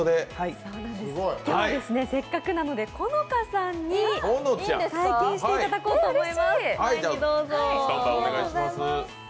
せっかくなので好花さんに体験していただこうと思います。